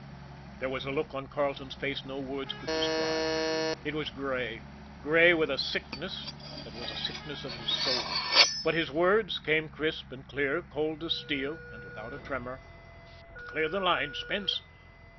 There was a look on Carleton's face no words could describe it was gray, gray with a sickness that was a sickness of his soul; but his words came crisp and clear, cold as steel, and without a tremor. "Clear the line, Spence.